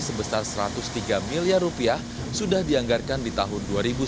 sebesar satu ratus tiga miliar rupiah sudah dianggarkan di tahun dua ribu sembilan belas